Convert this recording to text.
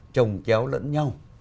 trồng chéo lẫn nhau